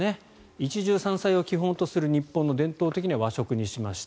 一汁三菜を基本とする日本の伝統的な和食にしました。